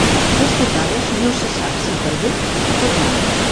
Destacades, no se sap si per bé o per mal.